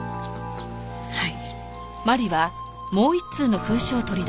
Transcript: はい。